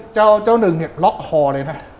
เจ้าหนึ่งล็อกคอเลยนะ